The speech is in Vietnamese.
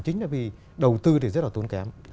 chính là vì đầu tư thì rất là tốn kém